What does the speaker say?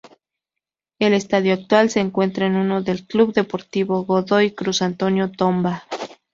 El estadio actual se encuentra en uso del Club Deportivo Godoy Cruz Antonio Tomba.